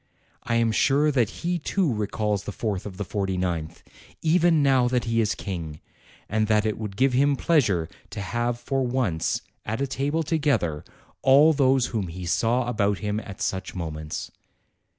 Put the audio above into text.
I am sure that he too recalls the fourth of the forty ninth, even now that he is King; and that it would give him pleasure to have for once, at a table together, all those whom he saw about him at such moments.